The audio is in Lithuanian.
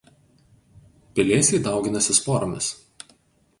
Pelėsiai dauginasi sporomis.